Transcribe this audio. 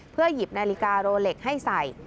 หยิบนาฬิกาโรเล็กให้ใส่